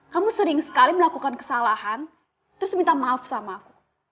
kamu sering sekali melakukan kesalahan terus minta maaf sama aku